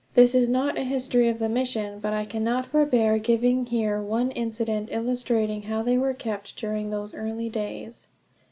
This is not a history of the mission, but I cannot forbear giving here one incident illustrating how they were kept during those early days.